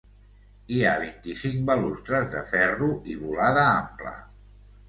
Hi ha vint-i-cinc balustres de ferro i volada ampla.